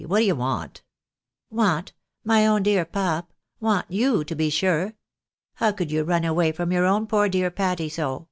What d'ye want ?"" Want ? my own dear pap ? want you, to be sure. How could you run away from your own poor dear Patty so